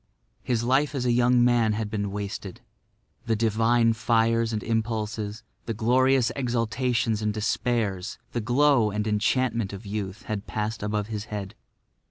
His life as a young man had been wasted. The divine fires and impulses, the glorious exaltations and despairs, the glow and enchantment of youth had passed above his head.